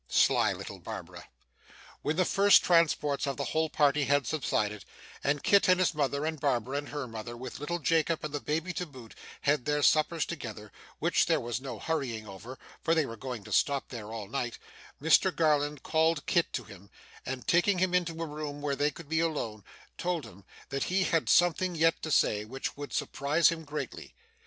Sly little Barbara! When the first transports of the whole party had subsided, and Kit and his mother, and Barbara and her mother, with little Jacob and the baby to boot, had had their suppers together which there was no hurrying over, for they were going to stop there all night Mr Garland called Kit to him, and taking him into a room where they could be alone, told him that he had something yet to say, which would surprise him greatly.